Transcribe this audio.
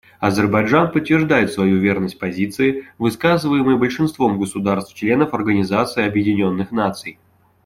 Азербайджан подтверждает свою верность позиции, высказываемой большинством государств-членов Организации Объединенных Наций.